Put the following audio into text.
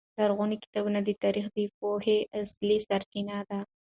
لرغوني کتابونه د تاریخ د پوهې اصلي سرچینې دي.